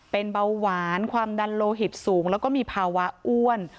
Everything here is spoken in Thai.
เป็นเบาหวานความดันโลหิตสูงแล้วก็มีภาวะอ้วน